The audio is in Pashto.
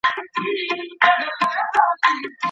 که د پلونو پایې کلکې سي، نو د سیلاب پر مهال نه نړیږي.